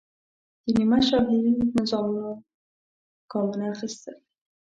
د نیمه شاهي نظامونو ګامونه اخیستل.